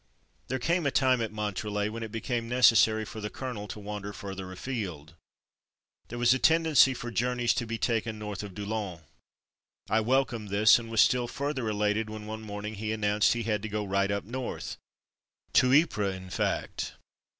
There came a time, at Montrelet, when it became necessary for the colonel to wander further afield. There was a tendency for journeys to be taken north of DouUens. I welcomed this, and was still further elated when one morning he announced that he had to go right up north — to Ypres in fact.